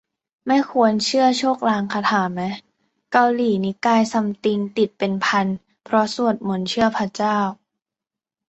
ไม่ควรเชื่อโชคลางคาถาแมะ เกาหลีนิกายซัมติงติดเป็นพันเพราะสวดมนต์เชื่อพระเจ้า